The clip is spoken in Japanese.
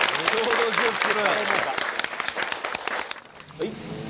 「はい！」